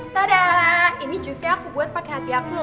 da dah ini jusnya aku buat pakai hati aku lho